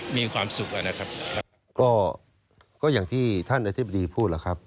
มีความสุขอะนะครับก็อย่างที่ท่านอธิบดีพูดล่ะครับ